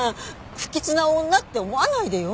不吉な女って思わないでよ？